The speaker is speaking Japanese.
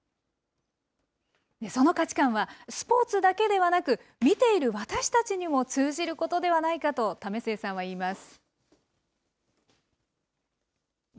その価値観は、スポーツだけではなく、見ている私たちにも通じることではないかと、為末さんは言います。